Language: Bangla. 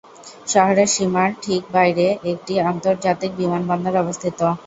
শহরের সীমার ঠিক বাইরে একটি আন্তর্জাতিক বিমানবন্দর অবস্থিত।